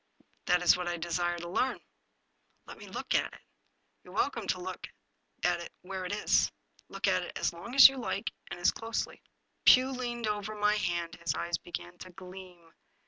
" That is what I desire to learn." " Let me look at it." " You are welcome to look at it where it is. Look at it as long as you like, and as closely." Pugh leaned over my hand. His eyes began to gleam.